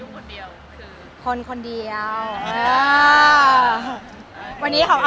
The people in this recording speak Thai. ไม่ยุ่งคนเดียวคือ